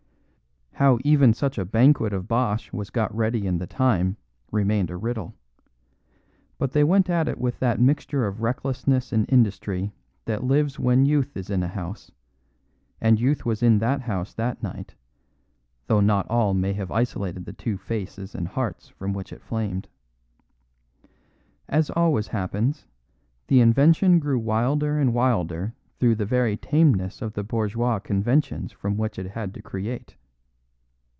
How even such a banquet of bosh was got ready in the time remained a riddle. But they went at it with that mixture of recklessness and industry that lives when youth is in a house; and youth was in that house that night, though not all may have isolated the two faces and hearts from which it flamed. As always happens, the invention grew wilder and wilder through the very tameness of the bourgeois conventions from which it had to create.